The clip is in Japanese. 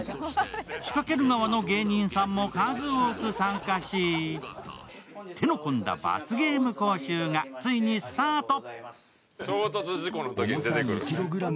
仕掛ける側の芸人さんも数多く参加し、手の込んだ罰ゲーム講習がついにスタート。